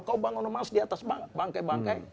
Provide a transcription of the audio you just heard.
kau bangun emas di atas bangkai bangkai